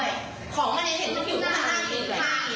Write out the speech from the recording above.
เด็กของก็เคยติดโกนให้มันมา